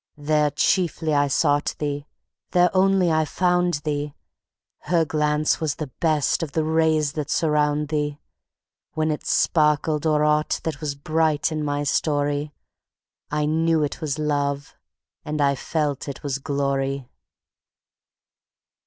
There chiefly I sought thee, there only I found thee; Her glance was the best of the rays that surround thee; When it sparkled o'er aught that was bright in my story, I knew it was love, and I felt it was glory.